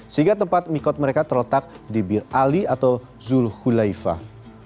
sehingga tempat mikot mereka terletak di bir ali atau zul hulaifah